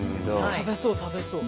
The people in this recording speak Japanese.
食べそう食べそう。